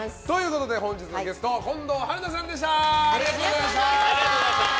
本日のゲストは近藤春菜さんでした。